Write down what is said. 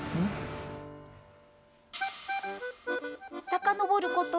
さかのぼること